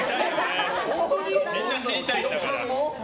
みんな知りたいんだから。